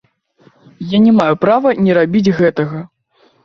Я не маю права не рабіць гэтага.